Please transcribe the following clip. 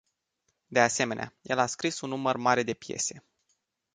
De asemenea, el a scris un număr mare de piese